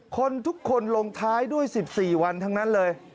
คนทุกคนลงท้ายด้วย๑๔วันทั้งนั้นเลย